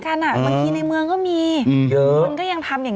บางทีในเมืองก็มีเยอะมันก็ยังทำอย่างนี้